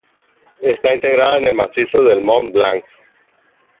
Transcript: Está integrada en el Macizo del Mont Blanc.